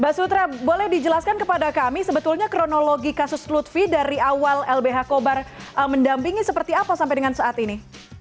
mbak sutra boleh dijelaskan kepada kami sebetulnya kronologi kasus lutfi dari awal lbh kobar mendampingi seperti apa sampai dengan saat ini